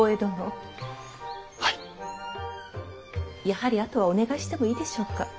やはりあとはお願いしてもいいでしょうか？